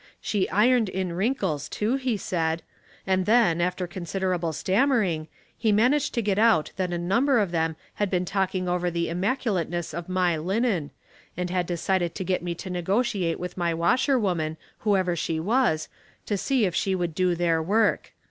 She ironed in wrinkles, too, he said ; and then, after considerable stammering, he managed to get out that a number of them had been talking over the immaculateness of my linen, and had decided to get me to negotiate with my washerwoman, who ever she was, to see if she would do their work.